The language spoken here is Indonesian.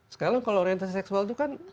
sekarang kalau orientasi seksual itu kan